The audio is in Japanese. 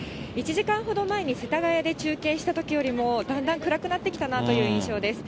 １時間ほど前に、世田谷で中継したときよりも、だんだん暗くなってきたなという印象です。